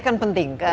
ini kan penting